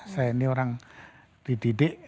saya ini orang dididik